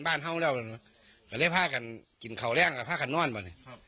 ก็ใช่ว่าจะพากันจินเขาเรียกกันพาคนนอนเอะ